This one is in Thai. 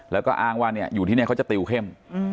แล้วก็อ้างว่าอยู่ที่นี่เขาจะติวเข้ม